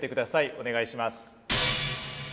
お願いします。